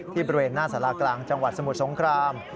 บริเวณหน้าสารากลางจังหวัดสมุทรสงคราม